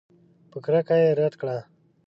په کرکه یې رد کړه.